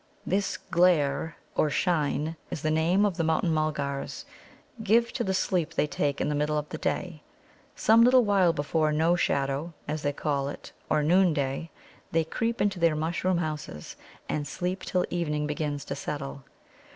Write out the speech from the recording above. '" This "glare," or "shine," is the name of the Mountain mulgars give to the sleep they take in the middle of the day. Some little while before "no shadow," as they call it, or noonday, they creep into their mushroom houses and sleep till evening begins to settle.